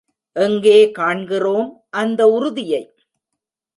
எங்கே காண்கிறோம் அந்த உறுதியை?